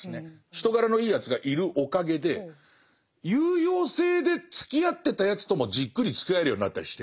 人柄のいいやつがいるおかげで有用性でつきあってたやつともじっくりつきあえるようになったりして。